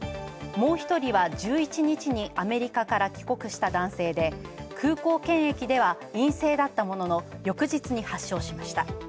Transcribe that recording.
もう１人は１１日にアメリカから帰国した男性で、空港検疫では陰性だったものの、翌日に発症しました。